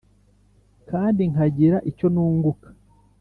kandi nkagira icyo nunguka.